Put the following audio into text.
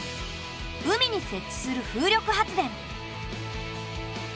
海に設置する風力発電。